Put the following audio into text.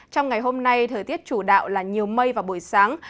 trong ngày hôm nay thời tiết chủ đạo là nhiều mây vào buổi sáng